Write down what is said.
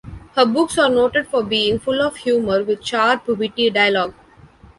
Her books are noted for being full of humor, with sharp, witty dialogue.